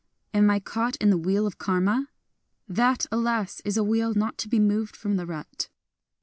— am I caught in the Wheel of Karma ? That, alas ! is a wheel not to be moved from the rut